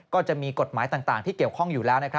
ก็จะมีกฎหมายต่างที่เกี่ยวข้องอยู่แล้ว